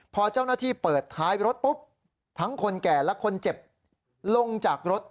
พอเจ้าหน้าที่เปิดท้ายรถปุ๊บทั้งคนแก่และคนเจ็บลงจากรถ